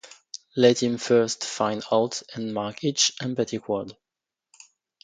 Let him first find out and mark each emphatic word.